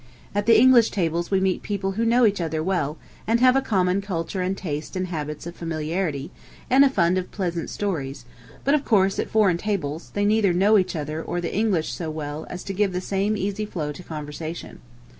At the English tables we meet people who know each other well, and have a common culture and tastes and habits of familiarity, and a fund of pleasant stories, but of course, at foreign tables, they neither know each other or the English so well as to give the same easy flow to conversation.